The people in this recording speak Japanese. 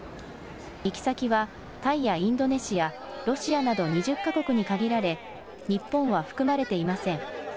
行き先はタイやインドネシア、ロシアなど２０か国に限られ日本は含まれていません。